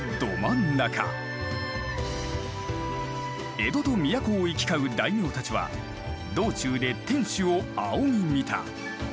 江戸と都を行き交う大名たちは道中で天守を仰ぎ見た。